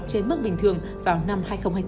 trên mức bình thường vào năm hai nghìn hai mươi bốn